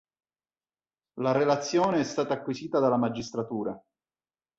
La relazione è stata acquisita dalla magistratura.